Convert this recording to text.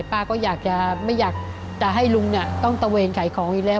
ป้าก็อยากจะไม่อยากจะให้ลุงเนี่ยต้องตะเวนขายของอีกแล้ว